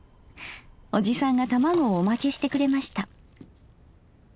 おじさんが卵をおまけしてくれました。